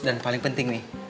dan paling penting nih